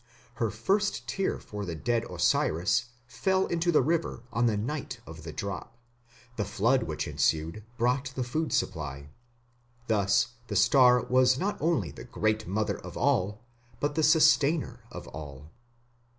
Her first tear for the dead Osiris fell into the river on "the night of the drop". The flood which ensued brought the food supply. Thus the star was not only the Great Mother of all, but the sustainer of all.